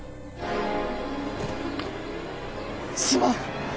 すまん！